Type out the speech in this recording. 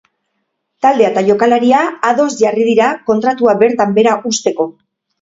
Taldea eta jokalaria ados jarri dira kontratua bertan behera uzteko.